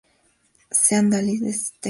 Sean Daly de St.